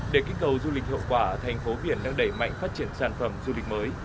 để kích cầu du lịch hiệu quả thành phố biển đang đẩy mạnh phát triển sản phẩm du lịch mới